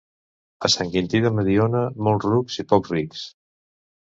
A Sant Quinti de Mediona, molts rucs i pocs rics.